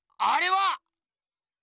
あれは！